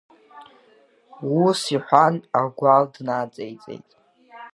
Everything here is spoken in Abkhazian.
Уыс иҳәан, агәал днаҵеиҵет.